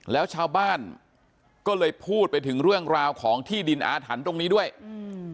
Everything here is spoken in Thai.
แล้วชาวบ้านก็เลยพูดไปถึงเรื่องราวของที่ดินอาถรรพ์ตรงนี้ด้วยอืม